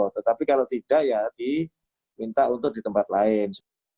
tetapi kalau tidak ya diminta untuk di tempat lain